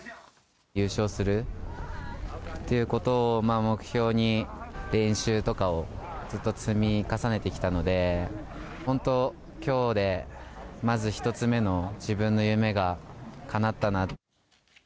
優勝するっていうことを目標に、練習とかをずっと積み重ねてきたので、本当、きょうでまず１つ目の自分の夢がかなったな。